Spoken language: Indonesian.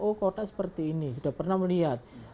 oh kota seperti ini sudah pernah melihat